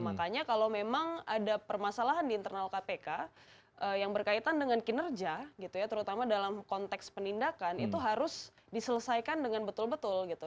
makanya kalau memang ada permasalahan di internal kpk yang berkaitan dengan kinerja gitu ya terutama dalam konteks penindakan itu harus diselesaikan dengan betul betul gitu